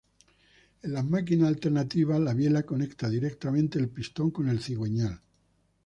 En los máquinas alternativas la biela conecta directamente el pistón con el cigüeñal.